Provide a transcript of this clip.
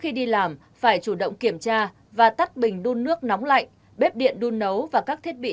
khi đi làm phải chủ động kiểm tra và tắt bình đun nước nóng lạnh bếp điện đun nấu và các thiết bị